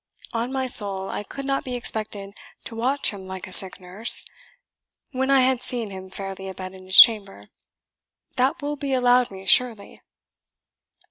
On my soul, I could not be expected to watch him like a sick nurse, when I had seen him fairly a bed in his chamber. That will be allowed me, surely."